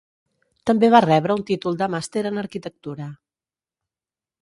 També va rebre un títol de Màster en Arquitectura.